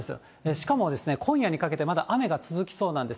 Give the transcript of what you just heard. しかもですね、今夜にかけて、まだ雨が続きそうなんです。